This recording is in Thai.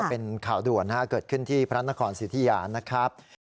เป็นข่าวด่วนเกิดขึ้นที่พระนครสิทธิยานะครับ